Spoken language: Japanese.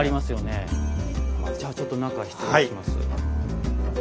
じゃあちょっと中失礼します。